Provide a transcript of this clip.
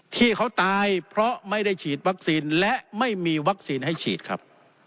ที่เขาตายเพราะไม่ได้ฉีดวัคซีนและไม่มีวัคซีนให้ฉีดครับ